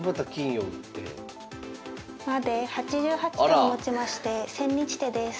８８手をもちまして千日手です。